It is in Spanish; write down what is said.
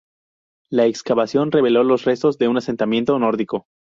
La excavación reveló los restos de un asentamiento nórdico.